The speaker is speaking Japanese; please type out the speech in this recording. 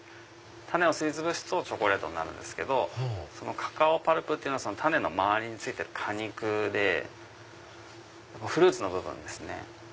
種をすりつぶすとチョコレートになるんですけどカカオパルプっていうのは種の周りについてる果肉でフルーツの部分ですね。